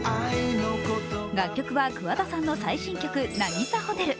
楽曲は桑田さんの最新曲「なぎさホテル」。